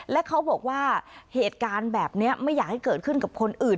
และเขาบอกว่าเหตุการณ์แบบนี้ไม่อยากให้เกิดขึ้นกับคนอื่น